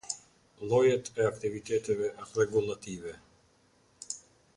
Llojet e aktiviteteve rregullative.